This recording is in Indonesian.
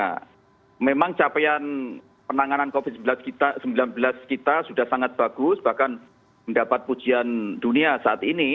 karena memang capaian penanganan covid sembilan belas kita sudah sangat bagus bahkan mendapat pujian dunia saat ini